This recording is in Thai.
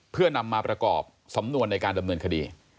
เพื่อนำมาประกอบสำนวนในการดำเนินคดี